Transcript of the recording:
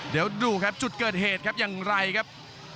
เดี๋ยวดูครับจุดเกิดเหตุครับอย่างไรครับ